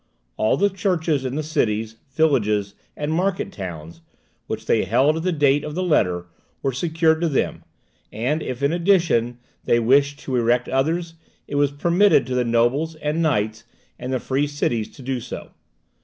All the churches in the cities, villages, and market towns, which they held at the date of the letter, were secured to them; and if in addition they wished to erect others, it was permitted to the nobles, and knights, and the free cities to do so.